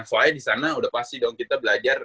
soalnya disana udah pasti dong kita belajar